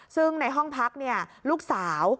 ซึ่งในห้องพักลูกสาว